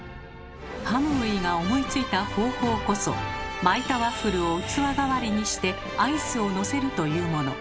ハムウィが思いついた方法こそ巻いたワッフルを器代わりにしてアイスをのせるというもの。